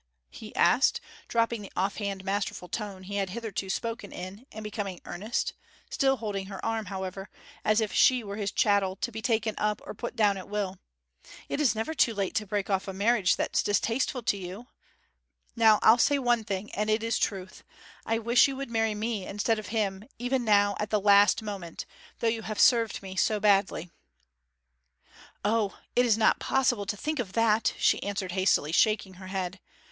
he asked, dropping the off hand masterful tone he had hitherto spoken in, and becoming earnest; still holding her arm, however, as if she were his chattel to be taken up or put down at will. 'It is never too late to break off a marriage that's distasteful to you. Now I'll say one thing; and it is truth: I wish you would marry me instead of him, even now, at the last moment, though you have served me so badly.' 'O, it is not possible to think of that!' she answered hastily, shaking her head.